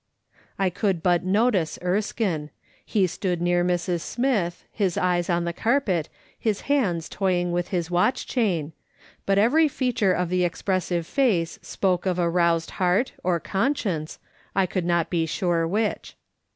^' I could but notice Erskine. He stood near Mrs. Smith, his eyes on the carpet, his hands toying with his watch chain, but every feature of the expressive face spoke of a roused heart, or conscience, I could not be sure which.